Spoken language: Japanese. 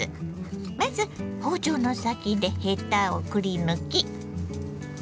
まず包丁の先でヘタをくり抜き。